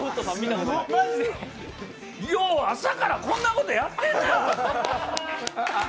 よう朝からこんなことやってんな。